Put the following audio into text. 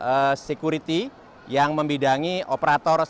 kemudian tiga orang security yang memidangi operasi dan teknik